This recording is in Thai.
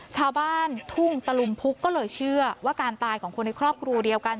ชาวบ้านทุ่งตะลุมพุกก็เลยเชื่อว่าการตายของคนในครอบครัวเดียวกัน